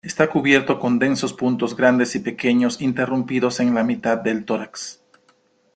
Está cubierto con densos puntos grandes y pequeños, interrumpidos en la mitad del tórax.